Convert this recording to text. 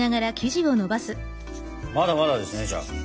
まだまだですねじゃあ。